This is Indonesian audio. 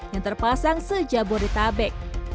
yang terpasang sejabur di tabek